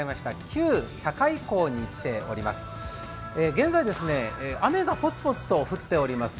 旧堺港に来ております。